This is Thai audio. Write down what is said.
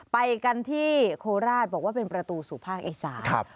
ไปกันที่โคราชบอกว่าเป็นประตูสู่ภาคอีสาน